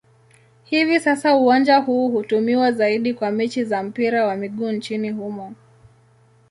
Hivi sasa uwanja huu hutumiwa zaidi kwa mechi za mpira wa miguu nchini humo.